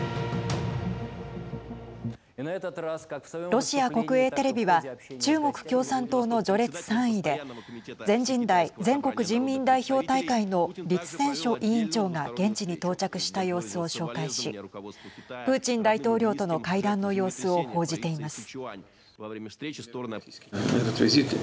ロシア国営テレビは中国共産党の序列３位で全人代＝全国人民代表大会の栗戦書委員長が現地に到着した様子を紹介しプーチン大統領との会談の様子を報じています。